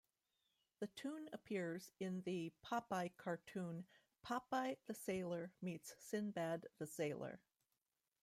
The tune appears in the "Popeye" cartoon "Popeye the Sailor Meets Sindbad the Sailor".